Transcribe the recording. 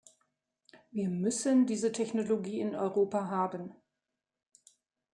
Wir müssen diese Technologie in Europa haben.